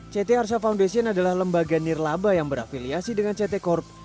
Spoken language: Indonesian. ct arsa foundation adalah lembaga nirlaba yang berafiliasi dengan ct corp